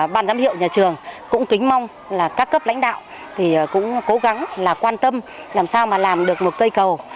ban giám hiệu nhà trường cũng kính mong là các cấp lãnh đạo thì cũng cố gắng là quan tâm làm sao mà làm được một cây cầu